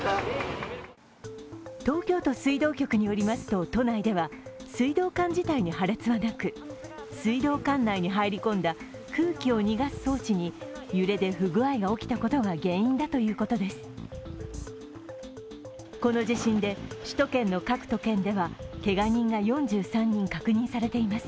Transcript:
東京都水道局によりますと、都内では水道管自体に破裂はなく水道管内に入り込んだ空気を逃がす装置に揺れで不具合が起きたことが原因だということです。